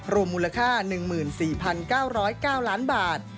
รวมมูลค่า๑๔๙๐๙ล้านบาท